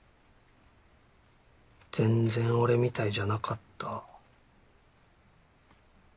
全然俺みたいじゃなかった。